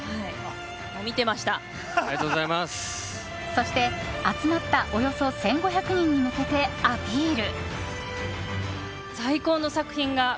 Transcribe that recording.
そして、集まったおよそ１５００人に向けてアピール。